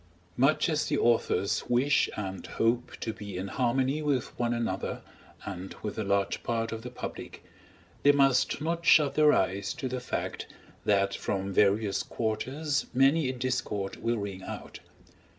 Much as the authors wish and hope to be in harmony with one another and with a large part of the public, they must not shut their eyes to the fact that from various quarters many a discord will ring out.